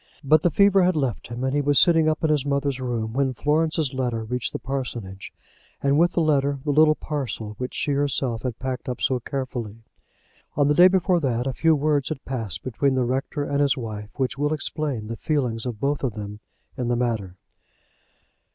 But the fever had left him, and he was sitting up in his mother's room, when Florence's letter reached the parsonage, and, with the letter, the little parcel which she herself had packed up so carefully. On the day before that a few words had passed between the rector and his wife, which will explain the feelings of both of them in the matter.